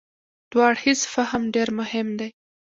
دوه اړخیز فهم ډېر مهم دی.